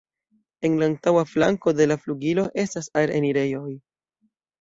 En la antaŭa flanko de la flugilo estas aer-enirejoj.